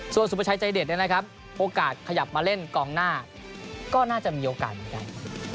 ส่วนสุประชัยใจเด็ดเนี่ยนะครับโอกาสขยับมาเล่นกองหน้าก็น่าจะมีโอกาสเหมือนกัน